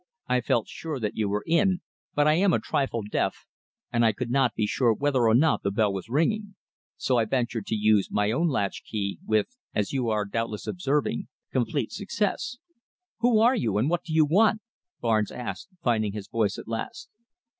I felt sure that you were in, but I am a trifle deaf, and I could not be sure whether or not the bell was ringing. So I ventured to use my own latch key, with, as you are doubtless observing, complete success." "Who are you, and what do you want?" Barnes asked, finding his voice at last.